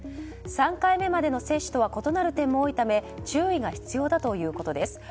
３回目までの接種とは異なる点も多いため注意が必要だということです。